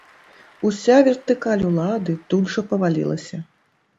Уся вертыкаль улады тут жа павалілася.